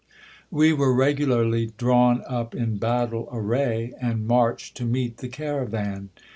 We were regularly drawn up in battle array, and marched to meet the caravan.